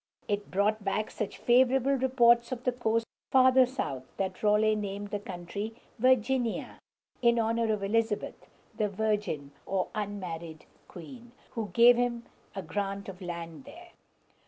It brought back such favorable reports of the coast farther south that Raleigh named the country Virgin´i a, in honor of Elizabeth, the virgin (or unmarried) queen, who gave him a grant of land there.